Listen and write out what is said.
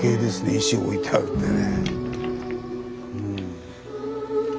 石置いてあるってね。